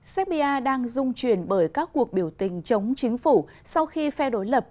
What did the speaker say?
serbia đang dung truyền bởi các cuộc biểu tình chống chính phủ sau khi phe đối lập